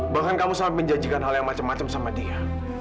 bahkan kamu sampai menjanjikan hal yang macem macem sama dia